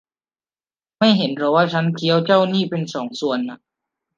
ไม่เห็นหรอว่าฉันเคี้ยวเจ้านี้เป็นสองส่วนน่ะ